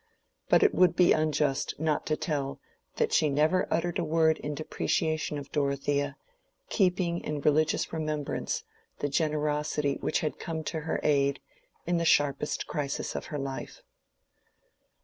But it would be unjust not to tell, that she never uttered a word in depreciation of Dorothea, keeping in religious remembrance the generosity which had come to her aid in the sharpest crisis of her life.